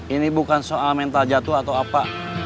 ini bukan soal mental jatuh atau apa